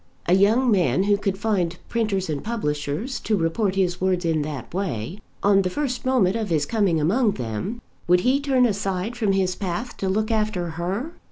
A young man who could find printers and publishers to report his words in that way, on the first moment of his coming among them, would he turn aside from his path to look after her?